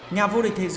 nhà vua địch thế giới